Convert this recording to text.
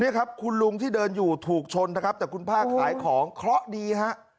นี่ครับคุณลุงที่เดินอยู่ถูกชนนะครับแต่คุณป้าขายของเคราะห์ดีฮะ